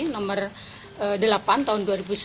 nomor delapan tahun dua ribu sembilan